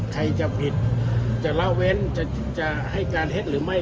ใครจะผิดจะละเว้นจะให้การเท็จหรือไม่